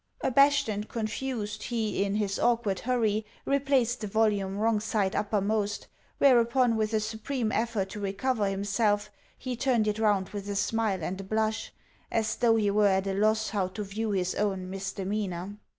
Abashed and confused, he, in his awkward hurry, replaced the volume wrong side uppermost; whereupon, with a supreme effort to recover himself, he turned it round with a smile and a blush, as though he were at a loss how to view his own misdemeanour.